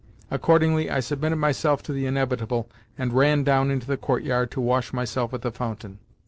Accordingly I submitted myself to the inevitable and ran down into the courtyard to wash myself at the fountain.